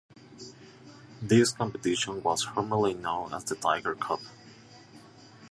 "This competition was formerly known as the Tiger Cup"